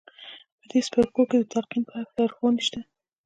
په دې څپرکو کې د تلقین په هکله لارښوونې شته